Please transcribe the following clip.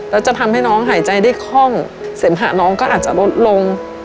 แล้วจะทำให้น้องหายใจได้คล่องเสมหะน้องก็อาจจะลดลง